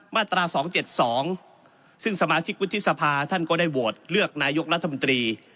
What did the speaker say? มาตรา๒๗๒ซึ่งสมาชิกวุฒิสภาท่านก็ได้โหวตเลือกนายกรัฐมนตรี